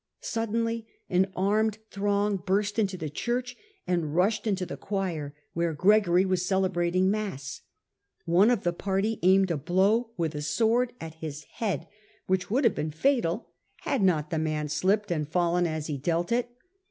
Suddenly an armed throng burst into the church and rushed into the choir, where Gregory was celebrating mass ; one of the party aimed a blow with a sword at his head, which would have been fatal had not the man slipped and fallen as he dealt it.